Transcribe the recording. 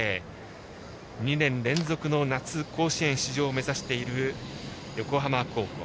２年連続の夏甲子園出場を目指している横浜高校。